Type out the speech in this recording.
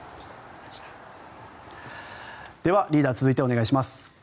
では、リーダー続いてお願いします。